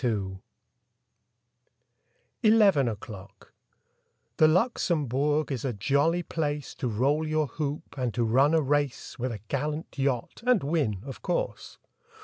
• TEN O'CLOCK 19 ELEVEN O'CLOCK T he Luxembourg is a jolly place To roll your hoop, and to run a race With a gallant yacht, and win, of course.